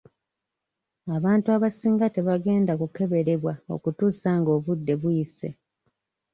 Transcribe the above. Abantu abasinga tebagenda kukeberebwa okutuusa nga obudde buyise.